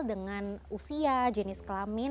dengan usia jenis kelamin